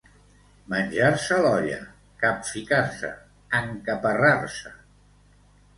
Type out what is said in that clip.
Menjar-se l'olla, capficar-se, encaparrar-se.